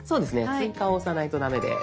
「追加」を押さないと駄目です。